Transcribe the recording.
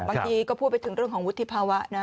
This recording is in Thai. บางทีก็พูดไปถึงเรื่องของวุฒิภาวะนะ